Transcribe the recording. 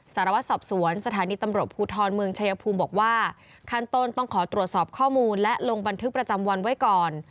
สารวัตรสอบสวนสถานีตำรวจภูทรเมืองชายภูมิบอกว่าขั้นต้นต้องขอตรวจสอบข้อมูลและลงบันทึกประจำวันไว้ก่อน